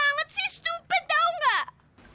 bego banget sih stupid tau gak